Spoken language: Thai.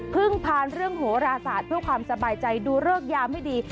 พึ่งพันเรื่องโหระสัตว์เพื่อความสบายใจดูเลือกยาไม่ดี